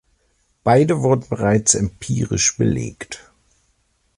Beide wurden bereits empirisch belegt.